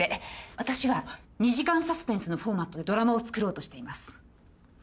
私は２時間サスペンスのフォーマットでドラマを作ろうとしています。